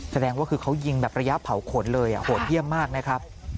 แสดงว่าคือเขายิงแบบระยะเผาขนเลยโหดเยี่ยมมากนะครับ